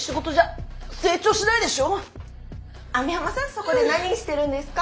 そこで何してるんですか？